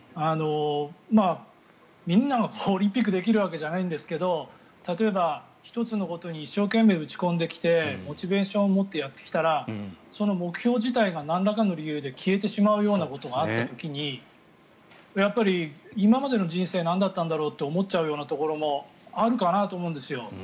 みんながオリンピックをできるわけじゃないんですけど例えば、１つのことに一生懸命打ち込んできてモチベーションを持ってやってきたらその目標自体がなんらかの理由で消えてしまうことがあった時にやっぱり、今までの人生なんだったんだろうって思っちゃうようなところもあるかなと思うんですよ。